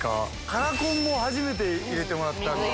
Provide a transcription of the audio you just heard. カラコンも初めて入れてもらったんで。